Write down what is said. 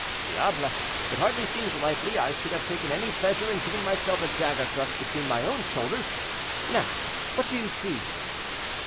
"Diable! it hardly seems likely I should have taken any pleasure in giving myself a dagger thrust between my own shoulders. Now, what do you see?"